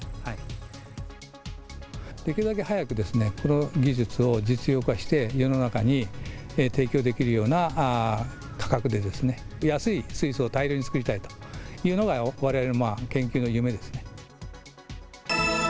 できるだけ早くこの技術を実用化して、世の中に提供できるような価格で、安い水素を大量に作りたいというのが、われわれの研究の夢ですね。